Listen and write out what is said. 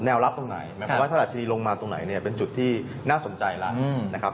รับตรงไหนหมายความว่าถ้าราชินีลงมาตรงไหนเนี่ยเป็นจุดที่น่าสนใจแล้วนะครับ